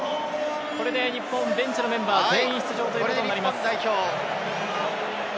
これで日本、ベンチのメンバー全員出場ということになります。